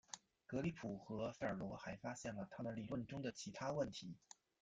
格里普和费尔罗还发现了他们理论中的其他问题。